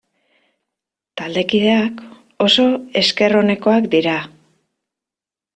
Taldekideak oso esker onekoak dira.